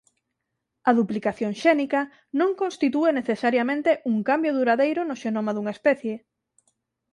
A duplicación xénica non constitúe necesariamente un cambio duradeiro no xenoma dunha especie.